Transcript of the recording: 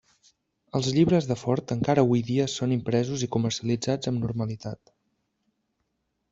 Els llibres de Fort encara hui dia són impresos i comercialitzats amb normalitat.